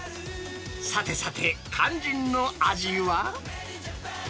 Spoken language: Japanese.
さてさて、肝心の味は？